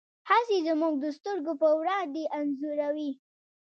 هڅې زموږ د سترګو په وړاندې انځوروي.